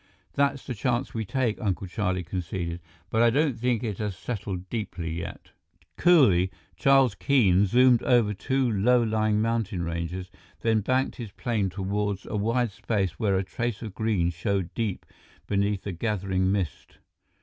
"That's the chance we take," Uncle Charlie conceded. "But I don't think it has settled deeply yet." Coolly, Charles Keene zoomed over two low lying mountain ranges, then banked his plane toward a wide space where a trace of green showed deep beneath the gathering mist.